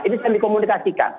ini sedang dikomunikasikan